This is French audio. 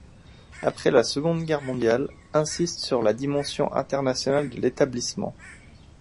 Après la Seconde Guerre mondiale, insiste sur la dimension internationale de l'établissement.